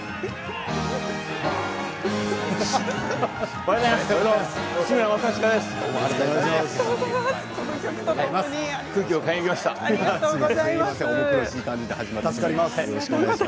おはようございます。